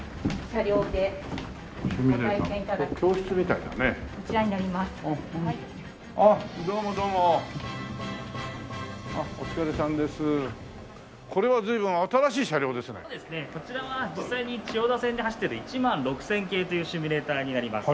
そうですねこちらは実際に千代田線で走ってる１６０００系というシミュレーターになります。